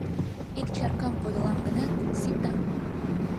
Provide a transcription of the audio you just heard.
— Ик чаркам подылам гынат, сита.